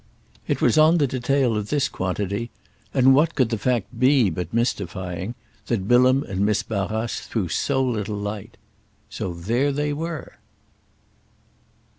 It was on the detail of this quantity—and what could the fact be but mystifying?—that Bilham and Miss Barrace threw so little light. So there they were.